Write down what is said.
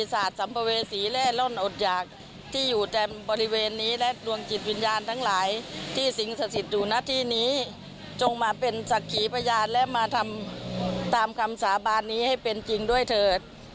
สักขีประญาตรและมาทำตามคำสาบานนี้ให้เป็นจริงด้วยเถิด